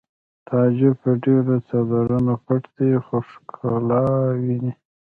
تعجب په ډېرو څادرونو پټ دی خو ښکلا ویني